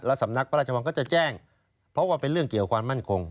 สำนักพระราชวังก็จะแจ้งเพราะว่าเป็นเรื่องเกี่ยวความมั่นคง